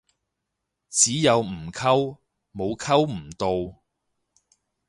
只有唔溝，冇溝唔到